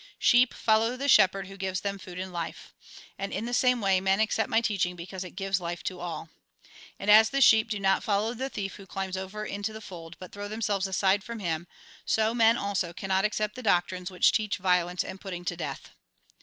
" Sheep follow the shepherd, who gives them food and life ; and in the same way, men accept my teaching because it gives life to all. And as the sheep do not follow the thief who climbs over into the fold, but throw themselves aside from him, so men, also, cannot accept the doctrines which teach violence and putting to death.